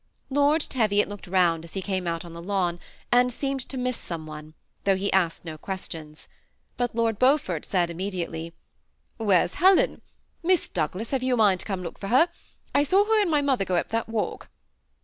Lord Teviot looked round as he came out on the THE SEMI ATTACHED COUPLE. 101 lawn, and seemed to miss some one, though he asked no questions ; but Lord Beaufort said immediately, " Where's Helen ? Miss Douglas, have you a mind to come and look for her ? I saw her and my mother go up that walk."